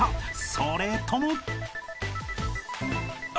［それとも］